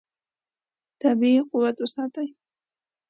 طبیعي قوت وساتئ.